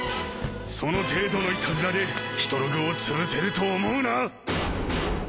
その程度のイタズラでヒトログをつぶせると思うな！